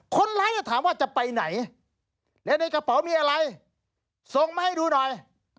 คนร้ายก็ถามว่าจะไปไหนแล้วในกระเป๋ามีอะไรส่งมาให้ดูหน่อย